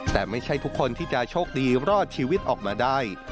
แต่ไม่ใช่ทุกคนที่จะโชคดีรอดชีวิตออกมาได้